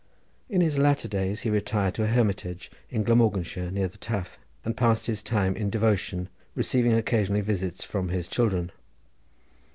In his latter days he retired to a hermitage in Glamorganshire near the Taf and passed his time in devotion, receiving occasionally visits from his children.